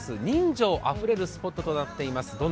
人情あふれるスポットとなっています。